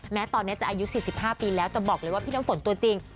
แม้ตอนนี้จะอายุ๔๕ปีแล้วแต่บอกเลยว่าพี่น้ำฝนตัวจริง